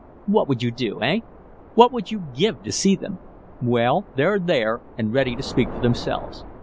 What would you do, eh? What would you give to see them? Well, they're there and ready to speak for themselves.